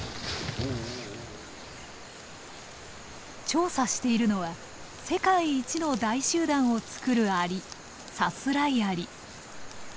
調査しているのは世界一の大集団を作るアリサスライアリ。